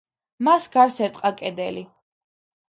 მას გარს ერტყა კედელი.